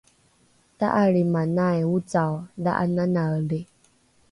ta’alrimanai ocao dha’ananaeli